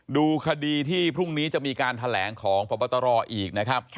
ดูคดีที่พรุ่งนี้จะมีการแถลงของพบตรอีกนะครับ